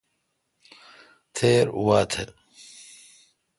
تھیر وا تھ۔